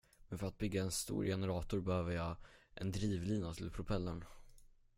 Men för att bygga en stor generator behöver jag en drivlina till propellern.